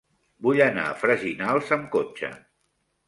Vull anar a Freginals amb cotxe.